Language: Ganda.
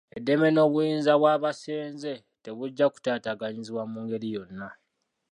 Eddembe n'obuyinza bw'abasenze tebujja kutaataaganyizibwa mu ngeri yonna.